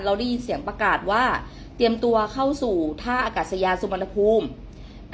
ได้ยินเสียงประกาศว่าเตรียมตัวเข้าสู่ท่าอากาศยาสุวรรณภูมิ